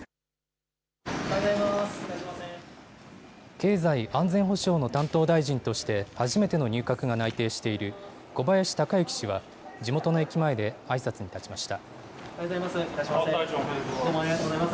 経済安全保障の担当大臣として初めての入閣が内定している、小林鷹之氏は、地元の駅前であいさつに立ちました。